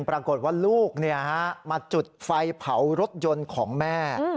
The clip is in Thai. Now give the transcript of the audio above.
ปรากฏว่าลูกมาจุดไฟเผารถยนต์ของแม่